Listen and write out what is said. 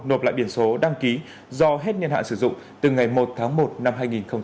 nộp lại biển số đăng ký do hết niên hạn sử dụng từ ngày một tháng một năm hai nghìn hai mươi